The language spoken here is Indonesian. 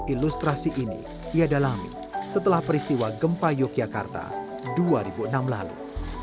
ilustrasi ini ia dalami setelah peristiwa gempa yogyakarta dua ribu enam lalu